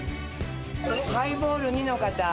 ハイボール２の方。